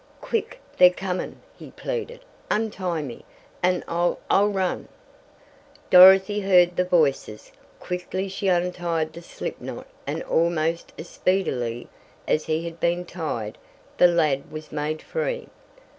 "Quick! They're coming!" he pleaded. "Untie me, and I I'll run." Dorothy heard the voices. Quickly she untied the slip knot and almost as speedily as he had been tied, the lad was made free.